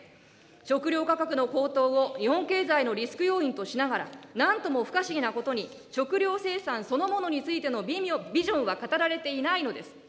食料価格の高騰を日本経済のリスク要因としながら、なんとも不可思議なことに、食料生産そのものについてのビジョンは語られていないのです。